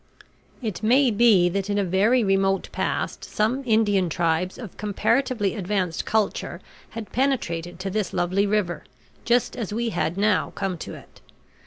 It may be that in a very remote past some Indian tribes of comparatively advanced culture had penetrated to this lovely river, just as we had now come to it.